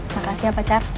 makasih ya pacar